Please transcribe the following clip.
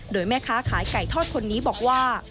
โดยแม่ค้าขายไก่ทอดคนนี้บอกว่า